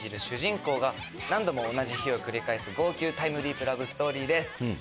主人公が何度も同じ日を繰り返す号泣タイムリープラブストーリーです。